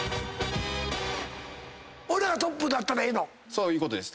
そういうことです。